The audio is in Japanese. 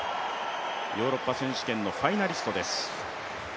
ヨーロッパ選手権のファイナリストです。